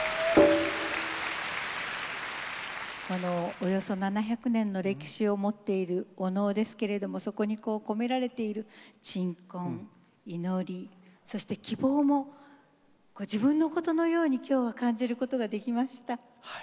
およそ７００年の歴史を持っているお能ですけれどもそこにこう込められている鎮魂祈りそして希望も自分のことのように今日は感じることができました。